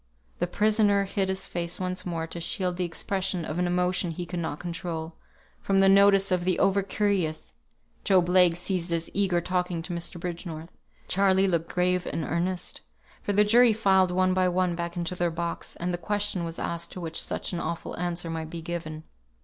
The prisoner hid his face once more to shield the expression of an emotion he could not control, from the notice of the over curious; Job Legh ceased his eager talking to Mr. Bridgenorth; Charley looked grave and earnest; for the jury filed one by one back into their box, and the question was asked to which such an awful answer might be given.